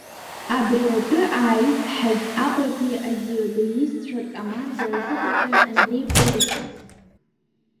Абри атәы ааицҳаит Аҟәатәи аӡиудоистцәа ркоманда азыҟаҵаҩ Андреи Погосов.